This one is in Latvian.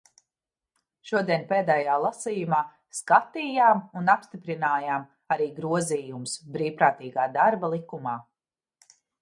Šodien pēdējā lasījumā skatījām un apstiprinājām arī grozījumus Brīvprātīgā darba likumā.